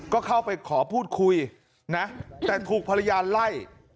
ก็เข้าไปขอพูดคุยนะแต่ถูกภรรยาไล่